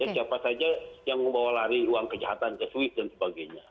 siapa saja yang membawa lari uang kejahatan ke swiss dan sebagainya